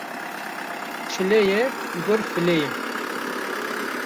Çile ye, gur file ye